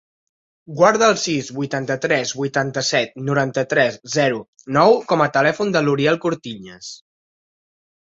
Guarda el sis, vuitanta-tres, vuitanta-set, noranta-tres, zero, nou com a telèfon de l'Uriel Cortiñas.